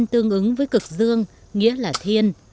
đầu dưới ứng với cực dương nghĩa là thiên